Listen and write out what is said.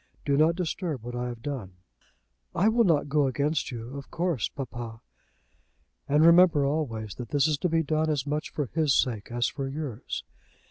Do not disturb what I have done." "I will not go against you, of course, papa." "And remember always that this is to be done as much for his sake as for yours.